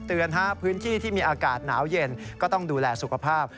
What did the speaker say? พื้นที่ที่มีอากาศหนาวเย็นก็ต้องดูแลสุขภาพ